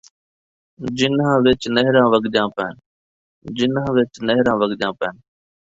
جِنھاں وِچ نہراں وڳدیاں پَئین،